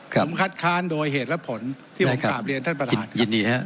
ผมคัดค้านโดยเหตุและผลที่ผมกลับเรียนท่านประธานยินดีครับ